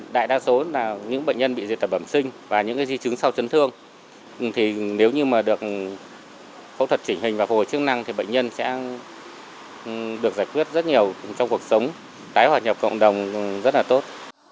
đại đa số là những bệnh nhân bị diệt tập bẩm sinh và những di chứng sau chấn thương thì nếu như mà được phẫu thuật chỉnh hình và phục hồi chức năng thì bệnh nhân sẽ được giải quyết rất nhiều trong cuộc sống tái hoạt nhập cộng đồng rất là tốt